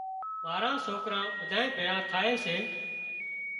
ماران سوڪران ٻڌانئين ڀيۯان ٿائي سي۔